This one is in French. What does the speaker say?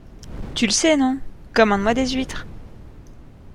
Tu le sais, non? Commande-moi des huîtres.